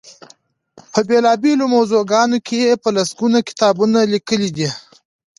په بېلا بېلو موضوعګانو کې یې په لس ګونو کتابونه لیکلي دي.